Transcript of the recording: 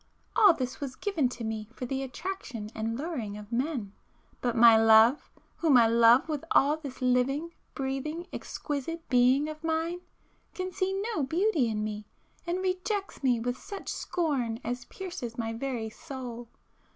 All this was given to me for the attraction and luring of men, but my love, whom I love with all this living, breathing, exquisite being of mine, can see no beauty in me, and rejects me with such scorn as pierces my very soul.